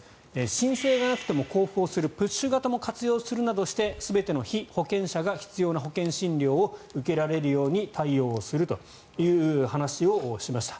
申請がなくても交付をするプッシュ型を活用するなどして全ての被保険者が必要な保険診療を受けられるように対応するという話をしました。